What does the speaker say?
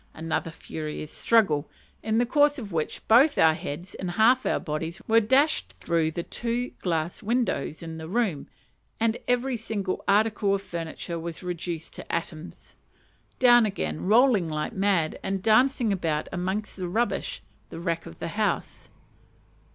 Another furious struggle, in the course of which both our heads, and half our bodies, were dashed through the two glass windows in the room, and every single article of furniture was reduced to atoms. Down again, rolling like mad, and dancing about amongst the rubbish the wreck of the house.